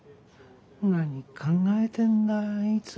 何考えてんだあいつ。